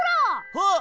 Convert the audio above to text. あっ！